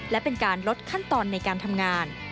และเป็นการลดขั้นตอนในการทำงาน